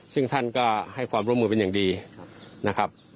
ซึ่งท่านก็ให้ความร่วมมือเป็นอย่างดีนะครับ